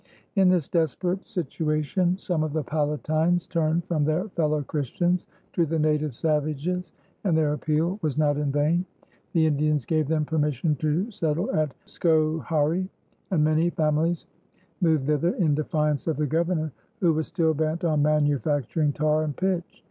In this desperate situation some of the Palatines turned from their fellow Christians to the native savages, and their appeal was not in vain. The Indians gave them permission to settle at Schoharie, and many families removed thither in defiance of the Governor, who was still bent on manufacturing tar and pitch.